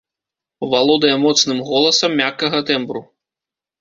Валодае моцным голасам мяккага тэмбру.